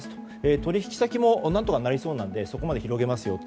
取引先も何とかなりそうなのでそこまで広げますよと。